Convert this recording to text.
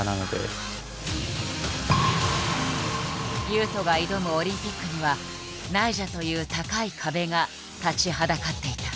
雄斗が挑むオリンピックにはナイジャという高い壁が立ちはだかっていた。